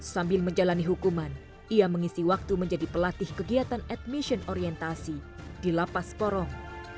sambil menjalani hukuman ia mengisi waktu menjadi pelatih kegiatan admission orientasi di lapas porong